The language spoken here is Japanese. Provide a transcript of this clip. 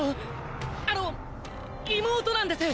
「あの妹なんです」